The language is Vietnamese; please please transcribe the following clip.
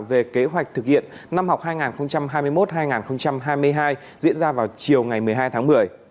về kế hoạch thực hiện năm học hai nghìn hai mươi một hai nghìn hai mươi hai diễn ra vào chiều ngày một mươi hai tháng một mươi